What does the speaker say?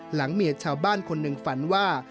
หลังเมียชาวบ้านคนหนึ่งฝันว่า